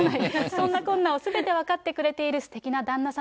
そんなこんなをすべて分かってくれているすてきな旦那様。